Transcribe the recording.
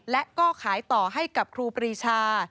และก็ขายต่อให้กับครูปรีชา